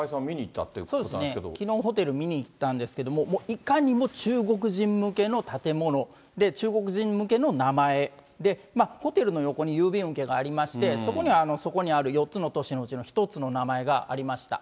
きのう、ホテル見にいったんですけれども、いかにも中国人向けの建物、で、中国人向けの名前で、ホテルの横に郵便受けがありまして、そこには、そこにある４つの都市のうちの１つの名前がありました。